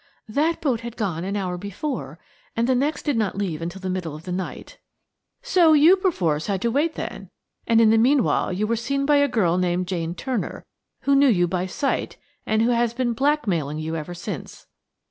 "That boat had gone an hour before, and the next did not leave until the middle of the night." "So you had perforce to wait until then, and in the meanwhile you were seen by a girl named Jane Turner, who knew you by sight, and who has been blackmailing you ever since."